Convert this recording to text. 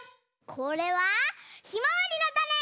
これはひまわりのたね！